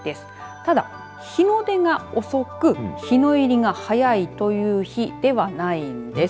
ただ、日の出が遅く日の入りが早いという日ではないんです。